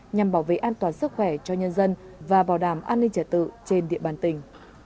nhằm bảo vệ an toàn sức khỏe cho nhân dân và bảo đảm an ninh trả tự trên địa bàn tỉnh